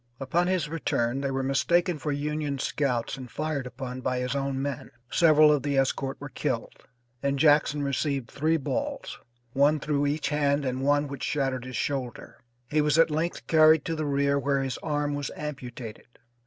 Upon his return they were mistaken for Union scouts and fired upon by his own men. Several of the escort were killed, and Jackson received three balls, one through each hand and one which shattered his shoulder. He was at length carried to the rear where his arm was amputated.